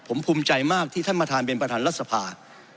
ผมภูมิใจมากที่ท่านประธานเป็นประธานรัฐสภา